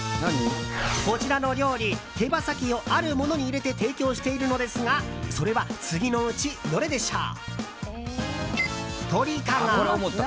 こちらの料理手羽先をあるものに入れて提供しているのですがそれは次のうちどれでしょう？